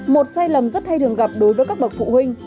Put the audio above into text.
một sai lầm rất hay thường gặp đối với các bậc phụ huynh